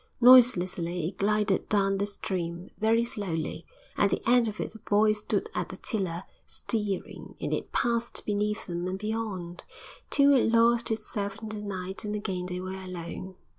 Noiselessly it glided down the stream, very slowly; at the end of it a boy stood at the tiller, steering; and it passed beneath them and beyond, till it lost itself in the night, and again they were alone.